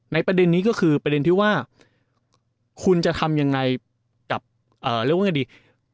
ประเด็นนี้ก็คือประเด็นที่ว่าคุณจะทำยังไงกับเรียกว่าไงดี